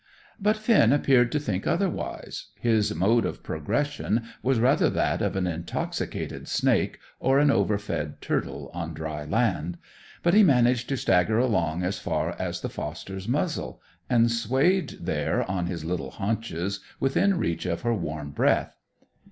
But Finn appeared to think otherwise. His mode of progression was rather that of an intoxicated snake, or an over fed turtle on dry land; but he managed to stagger along as far as the foster's muzzle, and swayed there on his little haunches within reach of her warm breath.